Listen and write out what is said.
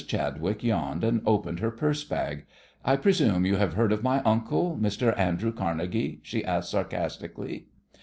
Chadwick yawned and opened her purse bag. "I presume you have heard of my uncle, Mr. Andrew Carnegie?" she asked sarcastically.